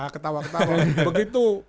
tidak waktu itu begitu